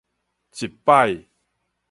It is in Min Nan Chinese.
一擺